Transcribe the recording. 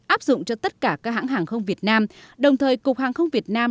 áp dụng cho tất cả các hãng hàng không việt nam đồng thời cục hàng không việt nam